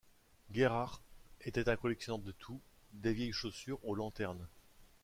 Guérard était un collectionneur de tout, des vieilles chaussures aux lanternes.